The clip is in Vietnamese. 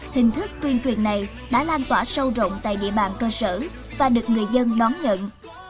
hình thức tuyên truyền này đã lan tỏa sâu rộng tại địa bàn cơ sở và được người dân đón nhận